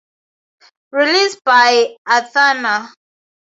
Released by Athanor.